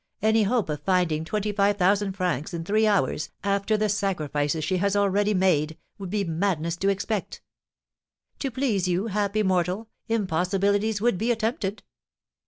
Any hope of finding twenty five thousand francs in three hours, after the sacrifices she has already made, would be madness to expect." "To please you, happy mortal, impossibilities would be attempted!"